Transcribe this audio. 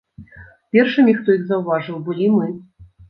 Першымі, хто іх заўважыў, былі мы.